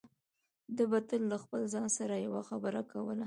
ده به تل له خپل ځان سره يوه خبره کوله.